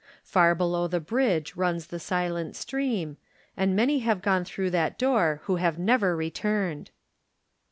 Far below the bridge runs the silent stream, and many have gone through that door who have iaever returned.